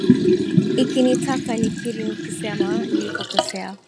Ikinitaka nikiri nikisema nilipokosea